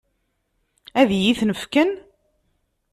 Ad iyi-ten-fken?